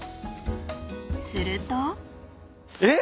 ［すると］えっ？